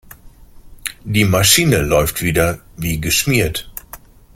Die Maschine läuft wieder wie geschmiert.